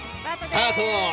スタート！